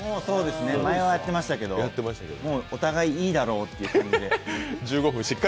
前はやってましたけどお互い、いいだろうって、もう。